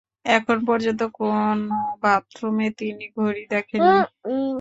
এখন পর্যন্ত কোনো বাথরুমে তিনি ঘড়ি দেখেন নি।